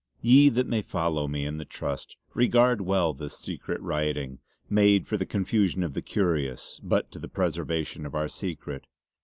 Ye that may follow me in the trust regard well this secret writing, made for the confusion of the curious but to the preservation of our secret.